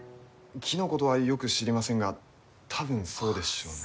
木のことはよく知りませんが多分そうでしょうね。